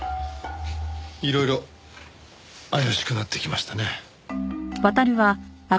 いろいろ怪しくなってきましたね。